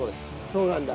そうなんだ。